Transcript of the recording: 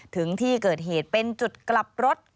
ถึงที่เกิดเหตุเป็นจุดกลับรถ